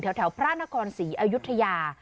แถวพระนครศรีอยุธยา